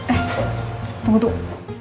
eh tunggu tuh